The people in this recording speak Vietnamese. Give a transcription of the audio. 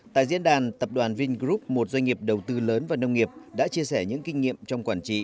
tại diễn đàn tập đoàn vingroup một doanh nghiệp đầu tư lớn và nông nghiệp đã chia sẻ những kinh nghiệm trong quản trị